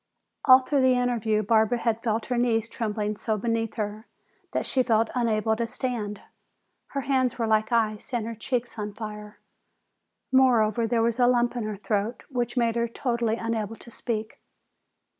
All through the interview Barbara had felt her knees trembling so beneath her that she felt unable to stand. Her hands were like ice and her cheeks on fire; moreover, there was a lump in her throat which made her totally unable to speak.